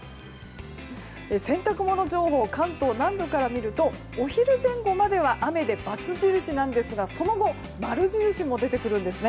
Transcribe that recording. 洗濯物情報、関東南部から見るとお昼前後までは雨でバツ印なんですがその後、丸印も出てくるんですね。